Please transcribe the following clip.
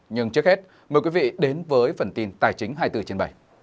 nhưng trước hết mời quý vị đến với phần tin tài chính hai mươi bốn trên bảy